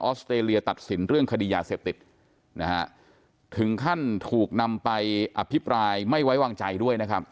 สเตรเลียตัดสินเรื่องคดียาเสพติดนะฮะถึงขั้นถูกนำไปอภิปรายไม่ไว้วางใจด้วยนะครับ